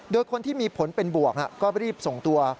โดยคนที่มีผลเป็นบวกก็รีบส่งตัว